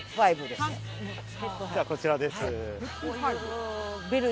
ではこちらです。